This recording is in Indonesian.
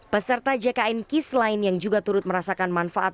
peserta jkn kis lain yang juga turut merasakan manfaat